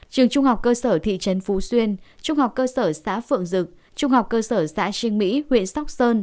trường trung học cơ sở thị trấn phú xuyên trung học cơ sở xã phượng dực trung học cơ sở xã trương mỹ huyện sóc sơn